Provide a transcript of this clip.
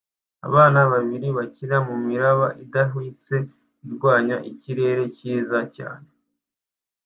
Abana babiri bakina mumiraba idahwitse irwanya ikirere cyiza cyane